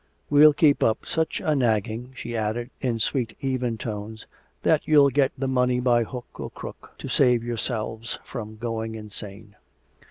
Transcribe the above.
We'll keep up such a nagging," she added, in sweet even tones, "that you'll get the money by hook or crook, to save yourselves from going insane."